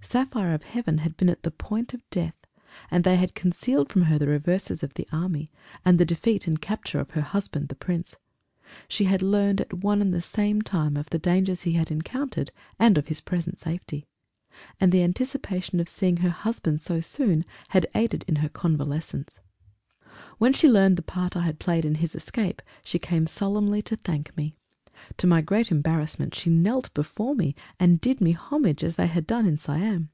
Saphire of Heaven had been at the point of death, and they had concealed from her the reverses of the army, and the defeat and capture of her husband, the Prince. She had learned at one and the same time of the dangers he had encountered, and of his present safety. And the anticipation of seeing her husband so soon had aided her convalescence. When she learned the part I had played in his escape, she came solemnly to thank me. To my great embarrassment she knelt before me, and did me homage, as they had done in Siam.